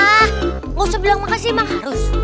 gak usah bilang makasih emang harus